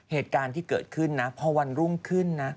เหตุการณ์ที่เกิดขึ้นนะพอวันรุ่งขึ้นนะ